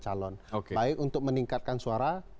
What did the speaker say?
calon baik untuk meningkatkan suara